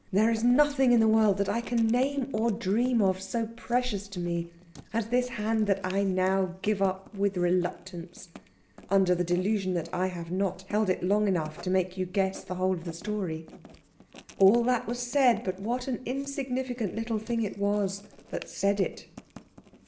There is nothing in the world that I can name or dream of so precious to me as this hand that I now give up with reluctance, under the delusion that I have not held it long enough to make you guess the whole of the story." All that was said, but what an insignificant little thing it was that said it!